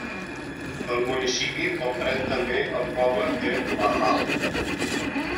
El municipi comprèn també el poble de La Ral.